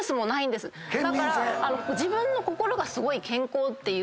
だから自分の心がすごい健康っていう。